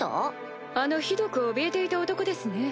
あのひどくおびえていた男ですね。